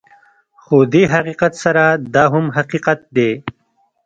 خو دې حقیقت سره دا هم حقیقت دی